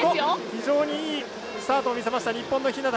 非常にいいスタートを見せました日本の日向楓。